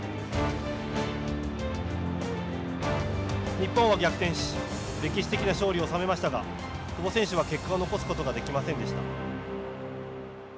日本は逆転し歴史的な勝利を収めましたが久保選手は結果を残すことができませんでした。